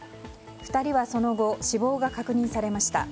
２人はその後死亡が確認されました。